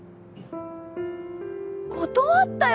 断ったよ